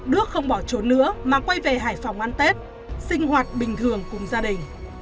đức không bỏ trốn nữa mà quay về hải phòng ăn tết sinh hoạt bình thường cùng gia đình